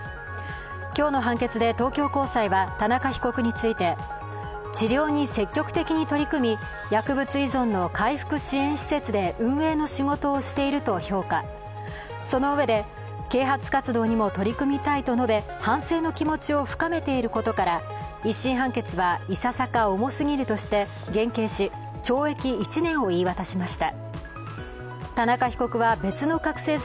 今日の判決で東京高裁は田中被告について治療に積極的に取り組み、薬物依存の回復支援施設で運営の仕事をしていると評価、そのうえで啓発活動にも取り組みたいと述べ、反省の気持ちを深めていることから１審判決はいささか重すぎるとして減刑し、懲役１年を言い渡しました。